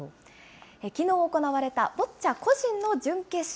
きのう行われたボッチャ個人の準決勝。